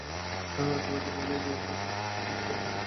তোমাকে কেবল এই অজ্ঞানের মেঘ অপসারণ করতে হবে।